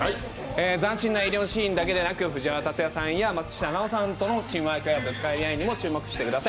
斬新な医療シーンだけでなく、藤原竜也さんや松下奈緒さんとのチームワークやぶつかり合いにも注目してください。